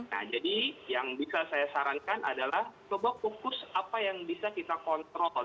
nah jadi yang bisa saya sarankan adalah coba fokus apa yang bisa kita kontrol